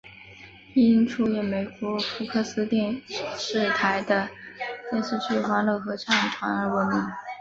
因出演美国福克斯电视台的电视剧欢乐合唱团而闻名。